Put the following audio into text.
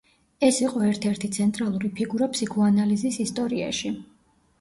ის იყო ერთ-ერთი ცენტრალური ფიგურა ფსიქოანალიზის ისტორიაში.